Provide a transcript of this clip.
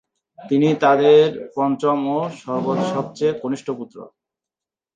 তিনি তাদের পঞ্চম এবং সবচেয়ে কনিষ্ঠ পুত্র।